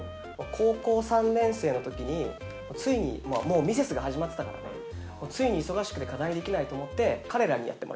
高校３年生の時についにもうミセスが始まってたからねついに忙しくて課題できないと思って。